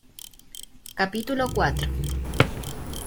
capítulo cuatro.